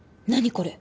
これ。